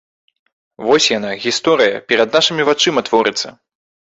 Вось яна, гісторыя, перад нашымі вачыма творыцца.